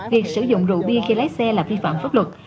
việc sử dụng rượu bia khi lái xe là vi phạm pháp luật